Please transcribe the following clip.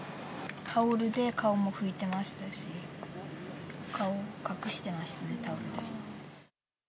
タオルで顔も拭いてましたし、顔、隠してましたね、タオルで。